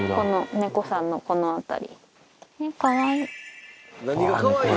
猫さんのこの辺り。